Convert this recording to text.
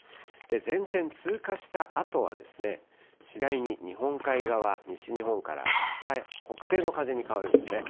前線通過したあとは次第に日本海側、西日本から北へ、北西の風に変わるんですね。